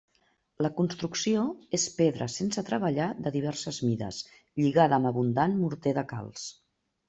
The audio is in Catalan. La construcció és pedra sense treballar de diverses mides, lligada amb abundant morter de calç.